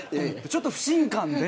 ちょっと不信感で。